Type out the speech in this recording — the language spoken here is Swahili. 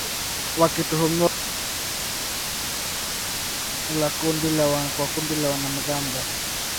wakituhumiwa kuuza silaha kwa kundi la wanamgambo